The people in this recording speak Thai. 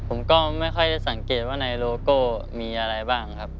ผมก็ไม่ค่อยได้สังเกตว่าในโลโก้มีอะไรบ้างครับ